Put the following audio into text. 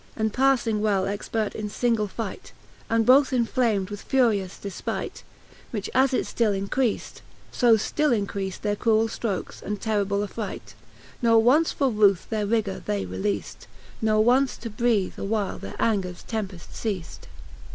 And paffing well expert in fingle fight, And both inflam'd with furious defpightr Which asit ftill encreaft, fo ftill increaft Their cruell ftrokes and terrible atfright ; Ne once for ruth their rigour they releaft, Ne once to breath a while their angers tempeft ceaft* XXXVII.